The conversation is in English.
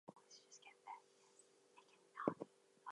She also began working as an activist.